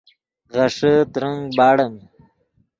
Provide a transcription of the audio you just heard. غیݰے ترنگ باڑیم